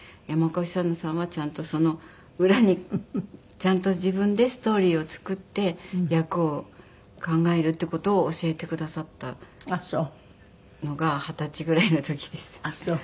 山岡久乃さんはちゃんとその裏にちゃんと自分でストーリーを作って役を考えるっていう事を教えてくださったのが二十歳ぐらいの時です。